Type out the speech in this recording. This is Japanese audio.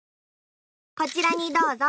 こちらにどうぞ。